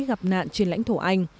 gặp nạn trên lãnh thổ anh